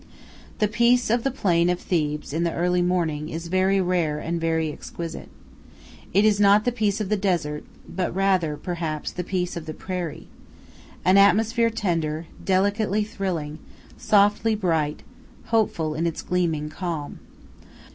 The peace of the plain of Thebes in the early morning is very rare and very exquisite. It is not the peace of the desert, but rather, perhaps, the peace of the prairie an atmosphere tender, delicately thrilling, softly bright, hopeful in its gleaming calm.